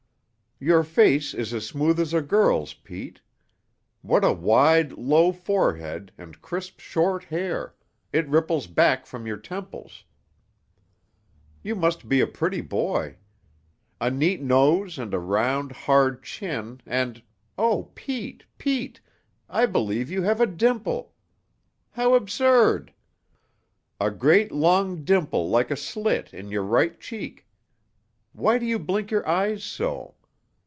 "Your face is as smooth as a girl's, Pete. What a wide, low forehead and crisp, short hair; it ripples back from your temples. You must be a pretty boy! A neat nose and a round, hard chin and oh, Pete, Pete! I believe you have a dimple. How absurd! A great, long dimple like a slit in your right cheek. Why do you blink your eyes so?